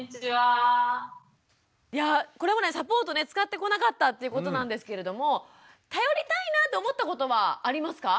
いやこれまでサポートね使ってこなかったっていうことなんですけれども頼りたいなって思ったことはありますか？